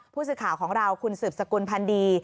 ผู้สื่อข่าวของเราคุณสืบสกุลพันธ์ดี